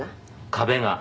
「壁が」